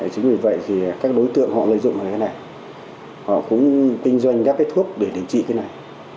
chính vì vậy thì các đối tượng họ lợi dụng là cái này họ cũng kinh doanh đáp cái thuốc để điều trị cái này